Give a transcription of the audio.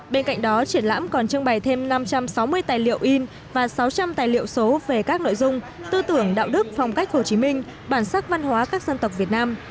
bên cạnh đó triển lãm còn trưng bày thêm năm trăm sáu mươi tài liệu in và sáu trăm linh tài liệu số về các nội dung tư tưởng đạo đức phong cách hồ chí minh bản sắc văn hóa các dân tộc việt nam